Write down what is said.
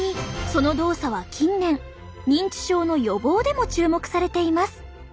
その動作は近年認知症の予防でも注目されています。